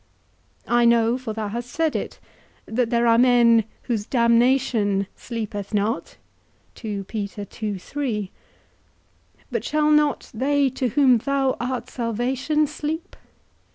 I know (for thou hast said it) that there are men whose damnation sleepeth not; but shall not they to whom thou art salvation sleep?